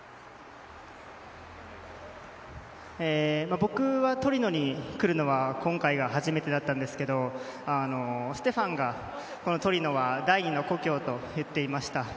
僕はトリノに来るのは今回が初めてだったんですがステファンがこのトリノは第２の故郷と言っていました。